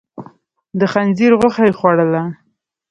د خنزير غوښه يې خوړله.